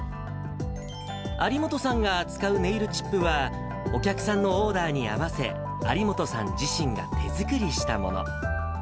有本さんが扱うネイルチップは、お客さんのオーダーに合わせ、有本さん自身が手作りしたもの。